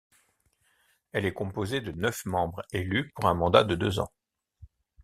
Elle est composée de neuf membres élus pour un mandat de deux ans.